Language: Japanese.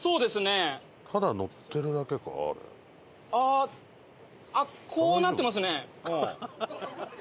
ああこうなってますね。